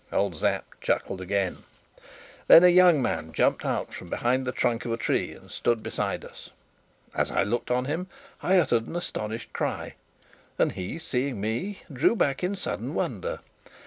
Old Sapt chuckled again. Then a young man jumped out from behind the trunk of a tree and stood beside us. As I looked at him, I uttered an astonished cry; and he, seeing me, drew back in sudden wonder.